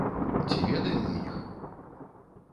Ці ведаем мы іх?